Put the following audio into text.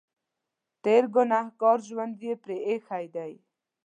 تېر ګنهګار ژوند یې پرې اېښی دی.